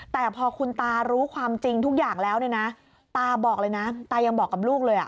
แต่พอคุณตารู้ความจริงทุกอย่างแล้วตายังบอกกับลูกเลย